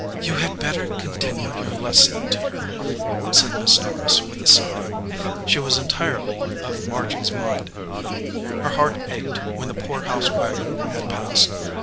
"You had better continue your lesson, dear," said Miss Norris, with a sigh. She was entirely of Margy s mind. Her heart ached when the poor house wagon had passed.